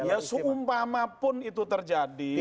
ya seumpamapun itu terjadi